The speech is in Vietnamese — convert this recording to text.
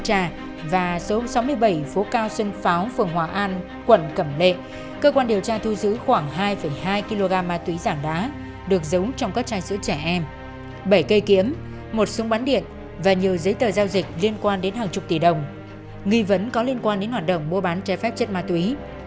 tại hai căn nhà của đối tượng số ba đường vũ tông phan phường thọ quan quận sơn trà và số sáu mươi bảy phố cao sơn pháo phường hòa an quận cẩm lệ cơ quan điều tra thu giữ khoảng hai hai kg ma túy giảng đá được giống trong các chai sữa trẻ em bảy cây kiếm một súng bắn điện và nhiều giấy tờ giao dịch liên quan đến hàng chục tỷ đồng nghi vấn có liên quan đến hoạt động mua bán chai phép chất ma túy